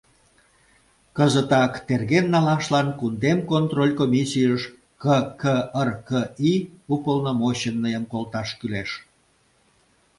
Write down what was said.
Кызытак терген налашлан кундем контроль комиссийыш ККРКИ уполномоченныйым колташ кӱлеш.